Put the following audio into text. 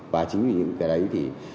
và chính vì những cái đấy thì